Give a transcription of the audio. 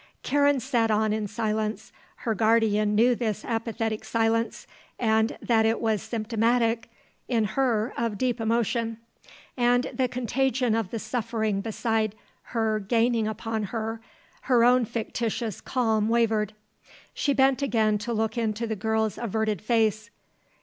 Karen sat on in silence. Her guardian knew this apathetic silence, and that it was symptomatic in her of deep emotion. And, the contagion of the suffering beside her gaining upon her, her own fictitious calm wavered. She bent again to look into the girl's averted face.